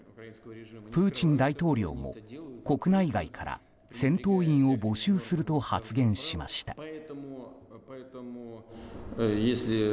プーチン大統領も国内外から戦闘員を募集すると発言しました。